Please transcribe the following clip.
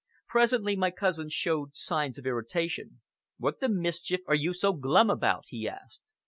Presently my cousin showed signs of irritation. "What the mischief are you so glum about?" he asked.